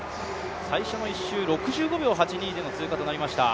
最初の１周、６５秒８２での通過となりました。